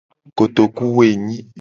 Kotokuwoenyi.